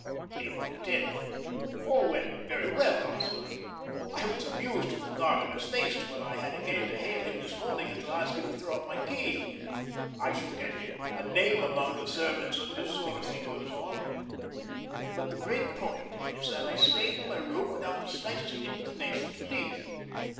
April 10. All went very well last night. I was amused at the gardener's face when I had again to hail him this morning and to ask him to throw up my key. I shall get a name among the servants if this sort of thing goes on. But the great point is that I stayed in my room without the slightest inclination to leave it.